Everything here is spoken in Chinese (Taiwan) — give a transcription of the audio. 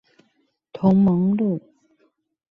同盟路